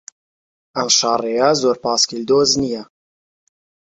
ئەم شاڕێیە زۆر پایسکل دۆست نییە.